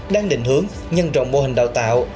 đang định hướng nhân rộng mô hình đào tạo